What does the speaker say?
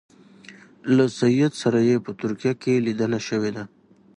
له سید سره یې په ترکیه کې لیدنه شوې ده.